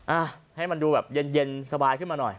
อ่ะให้มันดูแบบเย็นสบายขึ้นมาหน่อย